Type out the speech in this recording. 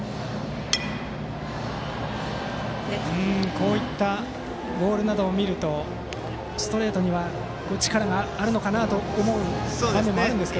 こういったボールなどを見るとストレートには力があるのかなと思う場面もあるんですが。